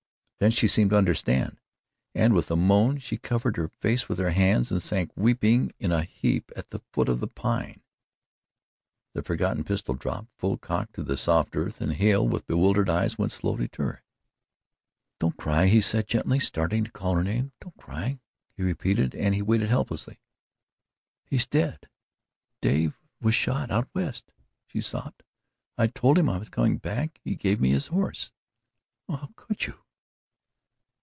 Then she seemed to understand, and with a moan she covered her face with her hands and sank weeping in a heap at the foot of the Pine. The forgotten pistol dropped, full cocked to the soft earth, and Hale with bewildered eyes went slowly to her. "Don't cry," he said gently, starting to call her name. "Don't cry," he repeated, and he waited helplessly. "He's dead. Dave was shot out West," she sobbed. "I told him I was coming back. He gave me his horse. Oh, how could you?"